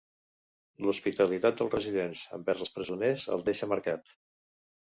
L'hospitalitat dels residents envers els presoners el deixà marcat.